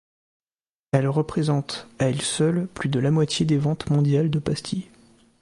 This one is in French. Elle représente à elle seule plus de la moitié des ventes mondiales de pastilles.